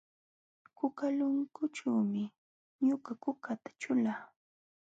Kukalunkućhuumi ñuqa kukata ćhulaa.